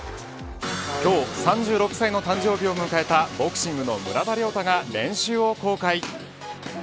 今日、３６歳の誕生日を迎えたボクシングの村田諒太が練習を公開。